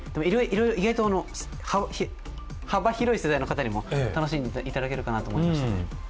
意外と幅広い世代の方にも楽しんでいただけるかなと思いました。